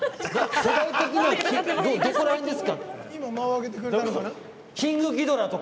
世代的にはどこら辺ですか？